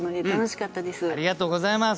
ありがとうございます。